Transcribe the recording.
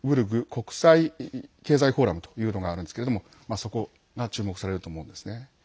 国際経済フォーラムというのがあるんですけどそこが注目されると思うんですね。